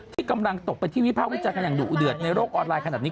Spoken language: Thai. ที่กำลังตกไปที่วิทยาภาพวิจัยขนาดอย่างดุเดือดในโรคออนไลน์ขนาดนี้